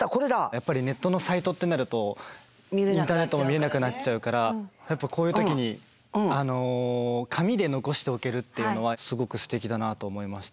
やっぱりネットのサイトってなるとインターネットも見れなくなっちゃうからこういう時に紙で残しておけるっていうのはすごくすてきだなと思いました。